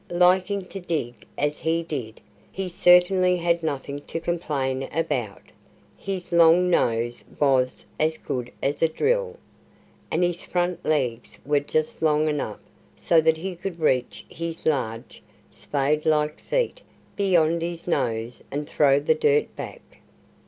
Liking to dig as he did, he certainly had nothing to complain about. His long nose was as good as a drill. And his front legs were just long enough so that he could reach his large, spade like feet beyond his nose and throw the dirt back.